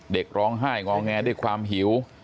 เด็กร้องไห้งอแงด้วยความหิว